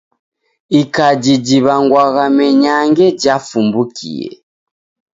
Ikaji jiw'angwagha menyange jafumbukie!